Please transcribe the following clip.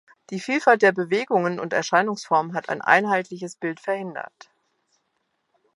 Die Vielfalt der Bewegungen und Erscheinungsformen hat ein einheitliches Bild verhindert.